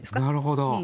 なるほど。